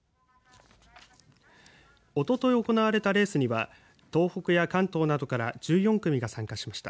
おととい行われたレースには東北や関東などから１４組が参加しました。